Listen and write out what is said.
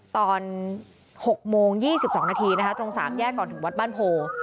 ตอนหกโมงยี่สิบสองนาทีนะคะตรงสามแยกก่อนถึงวัดบ้านโพ